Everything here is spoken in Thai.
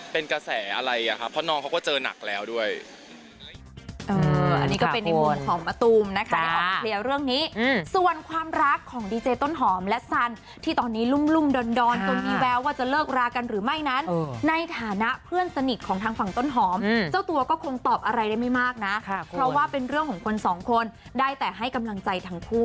เป็นกระแสอะไรอ่ะครับเพราะน้องเขาก็เจอหนักแล้วด้วย